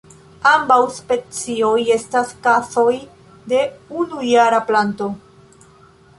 Ambaŭ specioj estas kazoj de unujara planto.